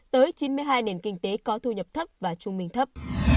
tới chín mươi hai nền kinh tế có thu nhập thấp và trung bình thấp